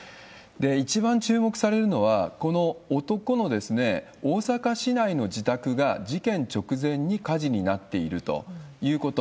一番注目されるのは、この男の大阪市内の自宅が事件直前に火事になっているということ。